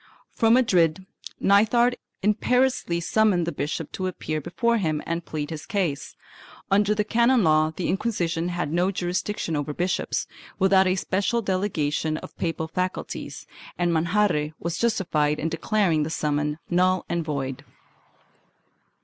From Madrid, Nithard imperiously summoned the bishop to appear before him and plead his case. Under the canon law, the Inquisition had no jurisdiction over bishops, without a special delegation of papal faculties, and Manjarre was justified in declar ing the summons null and void.